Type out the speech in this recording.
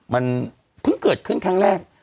มันเพิ่งเกิดขึ้นครั้งแรก